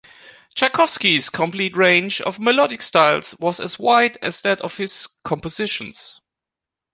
Tchaikovsky's complete range of melodic styles was as wide as that of his compositions.